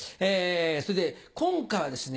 それで今回はですね